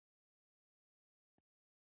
بطني رشته خوځېدونکي نیورونونه لري.